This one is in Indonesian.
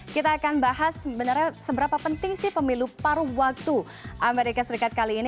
kita akan bahas sebenarnya seberapa penting sih pemilu paruh waktu amerika serikat kali ini